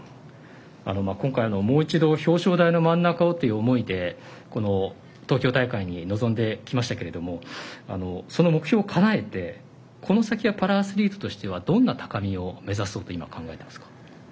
今回のもう一度表彰台の真ん中をという思いで東京大会に臨んできましたけどもその目標をかなえてこの先はパラアスリートとしてはどんな高みを目指そうと考えていますか？